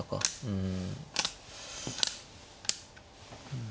うん。